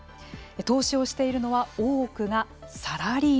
投資をしているのは多くがサラリーマンです。